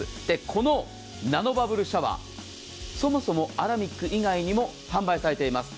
このナノバブルシャワー、そもそもアラミック以外にも販売されています。